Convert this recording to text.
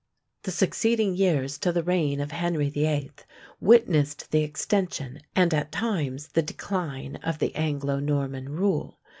The succeeding years till the reign of Henry VIII. witnessed the extension, and at times the decline, of the Anglo Norman rule.